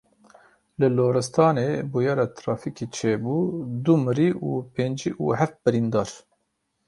Li Loristanê bûyera trafîkê çêbû du mirî û pêncî û heft birîndar.